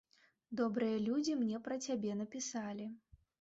Добрыя людзі мне пра цябе напісалі.